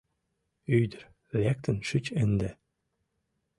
Ӱдыр, лектын шич ынде.